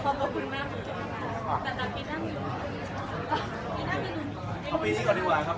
ภาพบีชิกก่อนหน้าครับ